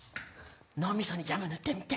脳みそにジャム塗ってみて。